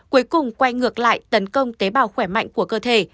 cuối cùng quay ngược lại tấn công tế bào khỏe mạnh của cơ thể